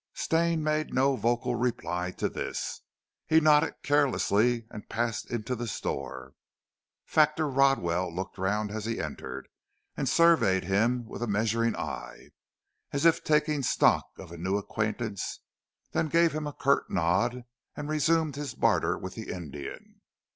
Stane made no vocal reply to this. He nodded carelessly and passed into the store. Factor Rodwell looked round as he entered, and surveyed him with a measuring eye, as if taking stock of a new acquaintance, then gave him a curt nod and resumed his barter with the Indian.